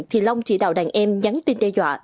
thì long chỉ đạo đàn em nhắn tin đe dọa